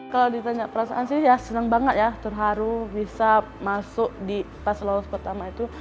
kalau ditanya perasaan sih ya senang banget ya terharu bisa masuk di pas lolos pertama itu